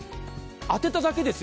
当てただけですよ